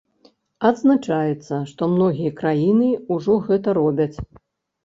Адзначаецца, што многія краіны ўжо гэта робяць.